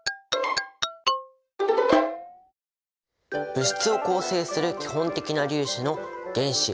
物質を構成する基本的な粒子の原子。